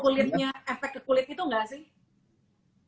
itu efek kulitnya efek kulit itu gak sih